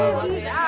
buat idan hebat